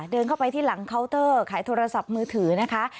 เดินเข้าไปที่หลังเคาน์เตอร์ขายโทรศัพท์มือถือนะคะ